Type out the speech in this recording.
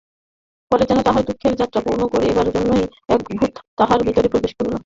পরে যেন তাহার দুঃখের মাত্রা পূর্ণ করিবার জন্যই এক ভূত তাহার ভিতরে প্রবেশ করিল।